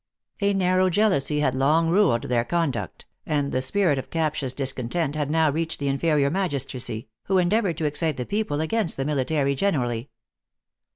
" A narrow jealousy had long ruled their conduct, and the spirit of captious discontent had now reached the inferior magistracy, who endeavored to excite the people against the military generally.